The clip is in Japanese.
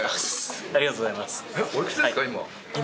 ありがとうございます。